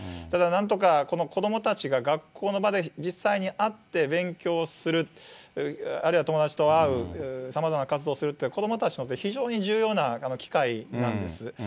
ただなんとか、この子どもたちが学校の場で実際に会って勉強する、あるいは友達と会う、さまざまな活動をするって、子どもたちにとって非常に重要な機会なんです。